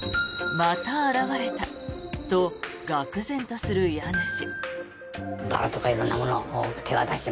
また現れたとがくぜんとする家主。